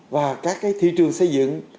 và các cái thị trường xây dựng